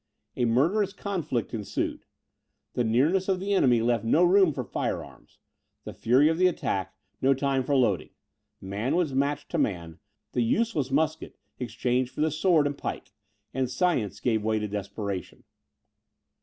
A murderous conflict ensued. The nearness of the enemy left no room for fire arms, the fury of the attack no time for loading; man was matched to man, the useless musket exchanged for the sword and pike, and science gave way to desperation.